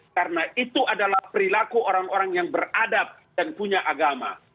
karena itu adalah perilaku orang orang yang beradab dan punya agama